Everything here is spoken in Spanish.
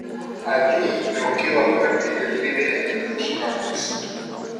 Allí, noqueó a "Juan Miguel Rivera" en dos rounds.